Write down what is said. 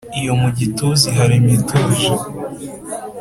Iyo mu gituza iharema ituje